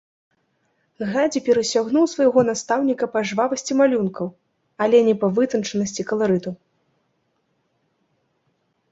Гадзі перасягнуў свайго настаўніка па жвавасці малюнкаў, але не па вытанчанасці каларыту.